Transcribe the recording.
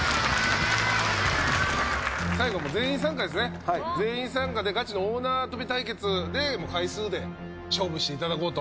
全員参加でガチの大縄跳び対決で回数で勝負していただこうと。